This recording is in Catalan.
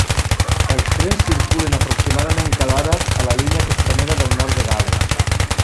Els trens circulen aproximadament cada hora a la Línia Costanera del Nord de Gales.